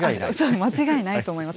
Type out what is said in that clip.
間違いないと思います。